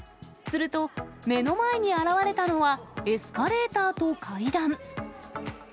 すると、目の前に現れたのは、エスカレーターと階段。